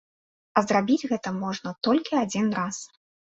А зрабіць гэта можна толькі адзін раз.